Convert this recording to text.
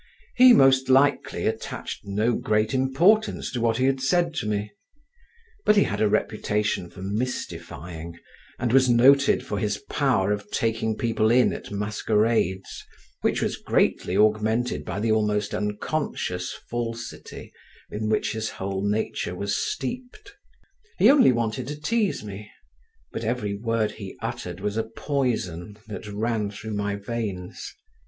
He, most likely, attached no great importance to what he had said to me, he had a reputation for mystifying, and was noted for his power of taking people in at masquerades, which was greatly augmented by the almost unconscious falsity in which his whole nature was steeped…. He only wanted to tease me; but every word he uttered was a poison that ran through my veins.